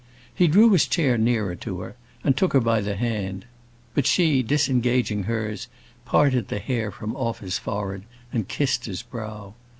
He drew his chair nearer to her, and took her by the hand. But she, disengaging hers, parted the hair from off his forehead, and kissed his brow.